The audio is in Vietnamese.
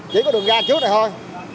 chỉ có đường ra trước này thôi